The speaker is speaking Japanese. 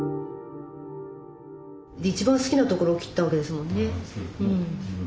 一番好きな所を切ったわけですもんね。